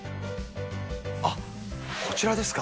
あっ、こちらですか。